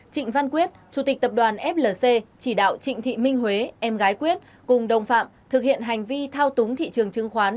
trịnh văn quyết chủ tịch tập đoàn flc chỉ đạo trịnh thị minh huế em gái quyết cùng đồng phạm thực hiện hành vi thao túng thị trường chứng khoán